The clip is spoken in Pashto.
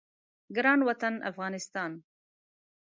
ګران وطن افغانستان